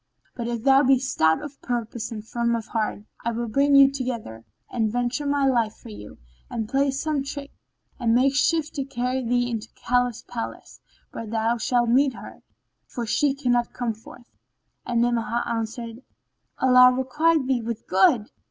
But if thou be stout of purpose and firm of heart, I will bring you together and venture my life for you, and play some trick and make shift to carry thee into the Caliph's palace, where thou shalt meet her, for she cannot come forth." And Ni'amah answered, "Allah requite thee with good!"